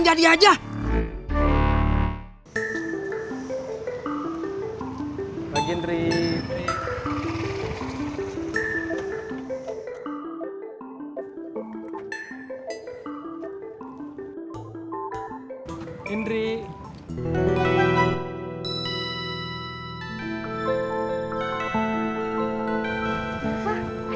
tukar tambah mobil sama motor